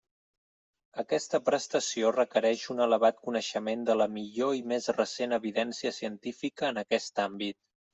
Aquesta prestació requereix un elevat coneixement de la millor i més recent evidència científica en aquest àmbit.